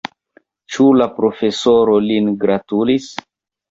Ĉu la profesoro lin gratulis?